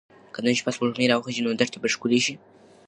که نن شپه سپوږمۍ راوخیژي نو دښته به ښکلې شي.